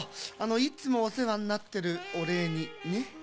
いつもおせわになってるおれいにねっ。